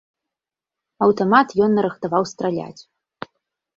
Аўтамат ён нарыхтаваў страляць.